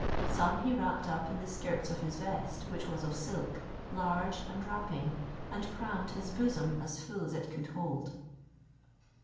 Some he wrapped up in the skirts of his vest, which was of silk, large and wrapping, and crammed his bosom as full as it could hold.